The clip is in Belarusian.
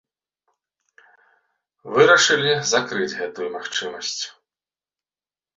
Вырашылі закрыць гэтую магчымасць.